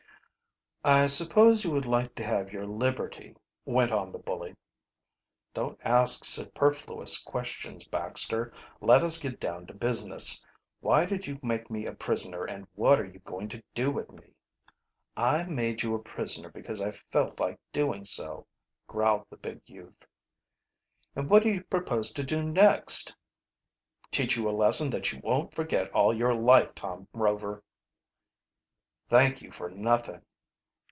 "I suppose you would like to have your liberty," went on the bully. "Don't ask superfluous questions, Baxter. Let us get down to business. Why did you make me a prisoner, and what are you going to do with me?" "I made you a prisoner because I felt like doing so," growled the big youth. "And what do you propose to do next?" "Teach you a lesson that you won't forget all your life, Tom Rover." "Thank you for nothing."